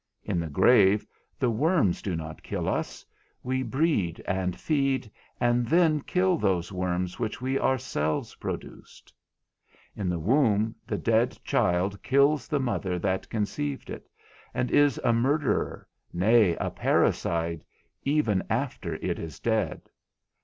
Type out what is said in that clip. In the grave the worms do not kill us; we breed, and feed, and then kill those worms which we ourselves produced. In the womb the dead child kills the mother that conceived it, and is a murderer, nay, a parricide, even after it is dead.